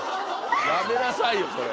やめなさいよそれ。